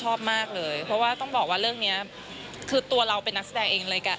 ชอบมากเลยเพราะว่าต้องบอกว่าเรื่องนี้คือตัวเราเป็นนักแสดงเองเลยกัน